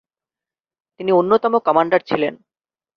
তিনি অন্যতম কমান্ডার ছিলেন।